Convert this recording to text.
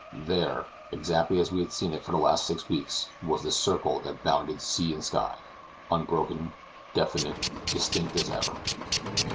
There, exactly as we had seen it for the last six weeks, was the circle that bounded sea and sky unbroken, definite, distinct as ever!